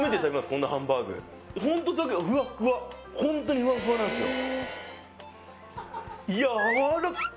こんなハンバーグホントだけどフワッフワホントにフワッフワなんですよ